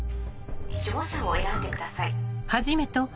守護者を選んでください。